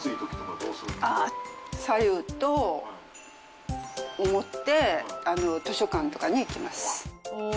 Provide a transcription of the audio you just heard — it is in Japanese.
さゆを持って、図書館とかに行きます。